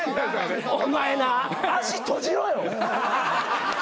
お前な足閉じろよ。